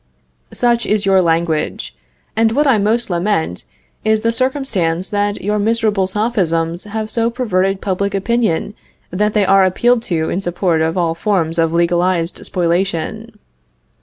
Such is your language, and what I most lament is the circumstance that your miserable sophisms have so perverted public opinion that they are appealed to in support of all forms of legalized spoliation.